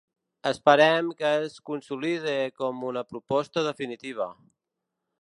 Esperem que es consolide com una proposta definitiva.